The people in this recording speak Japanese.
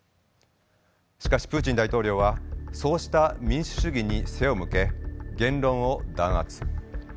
しかしプーチン大統領はそうした民主主義に背を向け言論を弾圧。